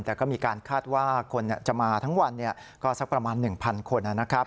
แต่ก็มีการคาดว่าคนจะมาทั้งวันก็สักประมาณ๑๐๐คนนะครับ